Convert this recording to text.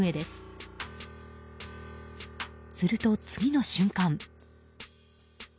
すると、次の瞬間